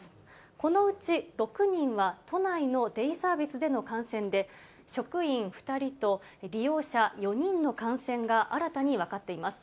このうち、６人は都内のデイサービスでの感染で、職員２人と利用者４人の感染が新たに分かっています。